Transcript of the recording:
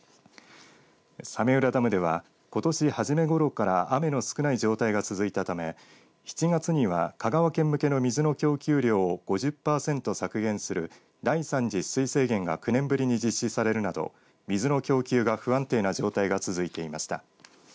早明浦ダムではことし初めごろから雨の少ない状態が続いたため７月には香川県向けの水の供給量を５０パーセント削減する第３次取水制限が９年ぶりに実施されるなど水の供給が不安定な状態が続いていました。